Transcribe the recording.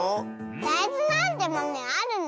だいずなんてまめあるの？